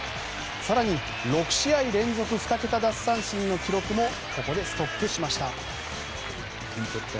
更に、６試合連続２桁奪三振の記録もここでストップしました。